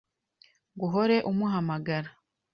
ngo uhore umuhamagara